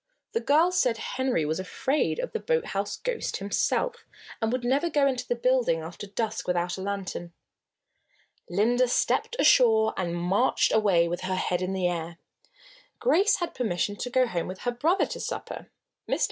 The girls said Henry was afraid of the boathouse ghost himself, and would never go into the building after dusk without a lantern. Linda stepped ashore and marched away with her head in the air. Grace had permission to go home with her brother to supper. Mr.